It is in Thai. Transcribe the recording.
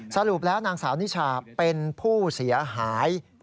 สรุปแล้วนางสาวนิชาเป็นผู้เสียหาย